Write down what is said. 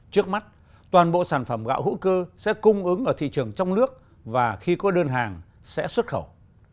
trước mắt toàn bộ sản phẩm gạo hữu cơ sẽ cung ứng ở thị trường trong nước và khi có đơn hàng sẽ xuất khẩu